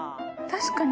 確かに。